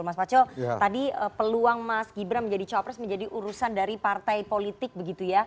mas pacul tadi peluang mas gibran menjadi cawapres menjadi urusan dari partai politik begitu ya